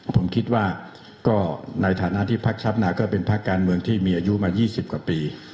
ผมคิดว่าก็ในฐานะที่พักชาวนาก็เป็นพักการเมืองที่มีอายุมา๒๐กว่าปี